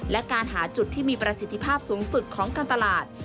และการหาจุดที่มีประสิทธิภาพสูงสุดของการตลาด